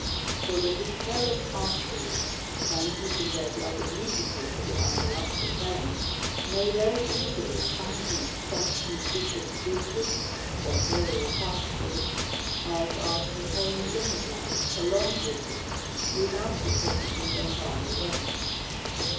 For the Hysterick Arteries transmitting their Blood immediately to the Umbilical Vein, may very easily transmit such Nutricious Juices or Aerìal Particles, as are contain'd in the Blood, along with it, without depositing them by the way.